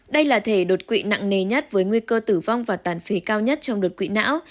đây là thể đột quỵ nặng nề nhất với nguy cơ tử vong và tàn phế cao nhất trong đợt quỵ não